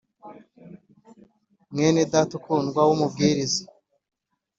mwene Data ukundwa w umubwiriza